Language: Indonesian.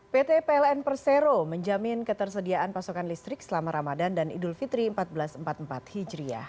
pt pln persero menjamin ketersediaan pasokan listrik selama ramadan dan idul fitri seribu empat ratus empat puluh empat hijriah